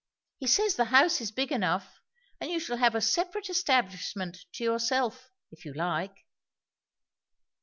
He says the house is big enough, and you shall have a separate establishment to yourself, if you like."